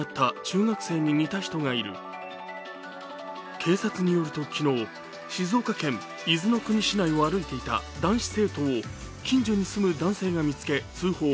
警察によると昨日、静岡県伊豆の国市内を歩いていた男子生徒を近所に住む男性が見つけ通報。